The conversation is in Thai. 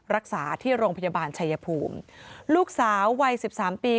รักษาที่โรงพยาบาลชายภูมิลูกสาววัยสิบสามปี